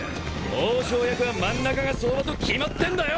王将役は真ん中が相場と決まってんだよ！